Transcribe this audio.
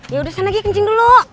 ya udah sana gi kencing dulu